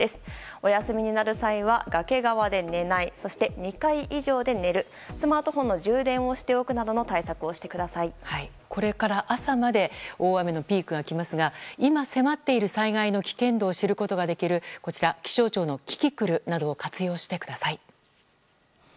お休みになる際は、崖側で寝ないそして２階以上で寝るスマートフォンの充電をしておくなどのこれから朝まで大雨のピークが来ますが今迫っている災害の危険度を知ることができる気象庁のキキクルなどを活用してください。